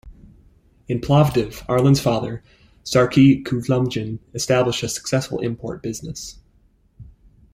In Plovdiv, Arlen's father, Sarkis Kouyoumdjian, established a successful import business.